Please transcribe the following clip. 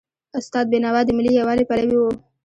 استاد بینوا د ملي یووالي پلوی و.